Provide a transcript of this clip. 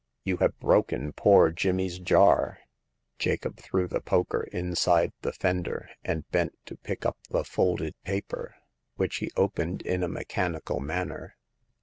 " You have broken poor Jimmy's jar !" Jacob threw the poker inside the fender, and bent to pick up the folded paper, which he opened in a mechanical manner.